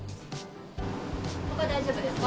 ほか大丈夫ですか？